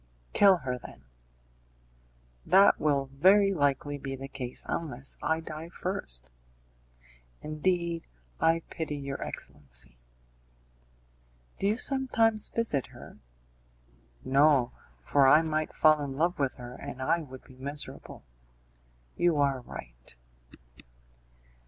"Kill her, then." "That will very likely be the case unless I die first." "Indeed I pity your excellency." "Do you sometimes visit her?" "No, for I might fall in love with her, and I would be miserable." "You are right."